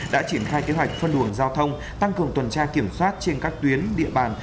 đã triển khai kế hoạch phân luồng giao thông tăng cường tuần tra kiểm soát trên các tuyến địa bàn